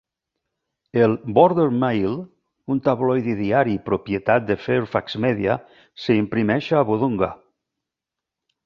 El "Border Maill", un tabloide diari propietat de Fairfax Media, s'imprimeix a Wodonga.